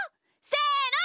せの！